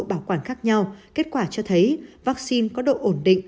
bảo quản khác nhau kết quả cho thấy vaccine có độ ổn định